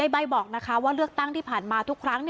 ใบ้บอกว่าเลือกตั้งที่ผ่านมาทุกครั้ง